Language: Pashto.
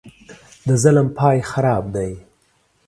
د ظلم پاى خراب دى.